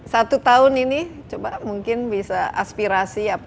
satu tahun ini coba mungkin bisa aspirasi dan apa